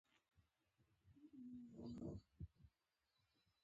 په مسند احمد کې د أبوذر غفاري رضی الله عنه نه روایت دی.